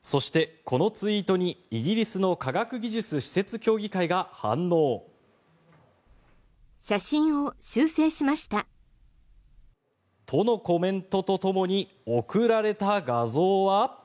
そして、このツイートにイギリスの科学技術施設協議会が反応。とのコメントともに送られた画像は。